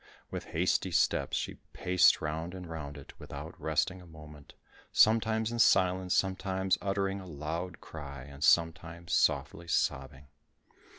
With hasty steps, she paced round and round it, without resting a moment, sometimes in silence, sometimes uttering a loud cry, sometimes softly sobbing.